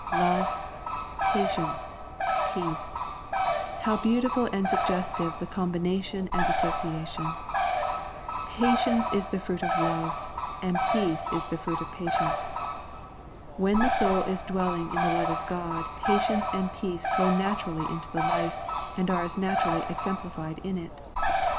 Love, Patience, Peace — ^how beautiful and suggestive the combination and association ! Patience is the fruit of love, and peace is the fruit of patience. When the soul is dwelling in the love of God patience and peace flow naturally into the life, and are as naturally exemplified in it.